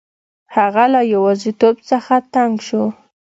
هغه له یوازیتوب څخه تنګ شو.